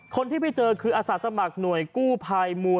คนที่พี่เจอคืออาศาสตร์สมัครหน่วยกู้ภายมูล